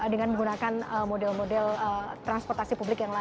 dengan menggunakan model model transportasi publik yang lain